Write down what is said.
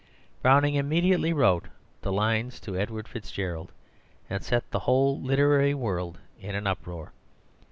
Browning immediately wrote the "Lines to Edward Fitzgerald," and set the whole literary world in an uproar.